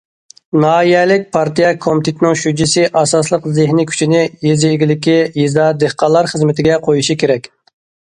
ناھىيەلىك پارتىيە كومىتېتىنىڭ شۇجىسى ئاساسلىق زېھنىي كۈچىنى« يېزا ئىگىلىكى، يېزا، دېھقانلار» خىزمىتىگە قويۇشى كېرەك.